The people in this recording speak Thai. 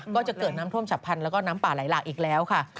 พรุ่งฝ่ำชับพันธุ์แล้วก็น้ำป่าไหลหลากอีกแล้วค่ะ